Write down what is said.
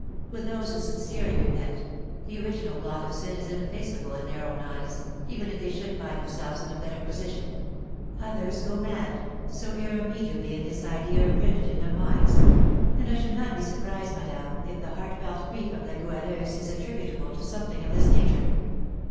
With those who sincerely repent, the original blot of sin is ineffaceable in their own eyes, even if they should find themselves in a better position; others go mad, so irremediably is this idea imprinted in their minds; and I should not be surprised, madame, if the heartfelt grief of La Goualeuse is attributable to something of this nature."